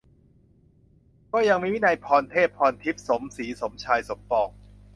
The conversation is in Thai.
ก็ยังมี วินัย พรเทพ พรทิพย์ สมศรี สมชาย สมปอง